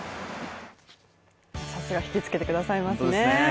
さすが、引き付けてくださいますね。